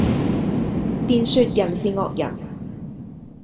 便說人是惡人。